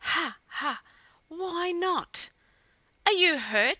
ha! ha! Why not?" "Are you hurt?"